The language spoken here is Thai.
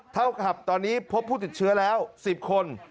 เท่ากับตอนนี้พบผู้ติดเชื้อแล้ว๑๐คน